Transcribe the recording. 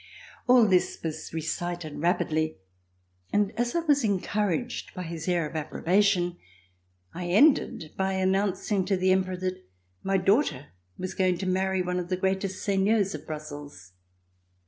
All this was recited rapidly, and, as I was encouraged by his air of approbation, I ended by announcing to the Emperor that my daughter was going to marry one of the greatest seigneurs of Brussels.